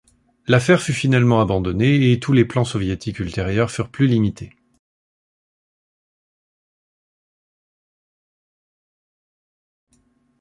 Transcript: L'affaire fut finalement abandonnée, et tous les plans soviétiques ultérieurs furent plus limités.